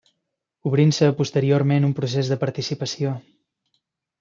Obrint-se posteriorment un procés de participació.